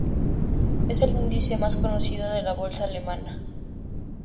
Es el índice más conocido de la Bolsa alemana.